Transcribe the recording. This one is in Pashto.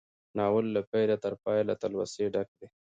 ناول له پيله تر پايه له تلوسې ډک دی.